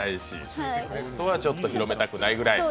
ほんとはちょっと広めたくないぐらい。